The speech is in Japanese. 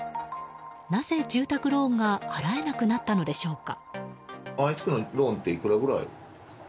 なぜ住宅ローンが払えなくなったのでしょうか？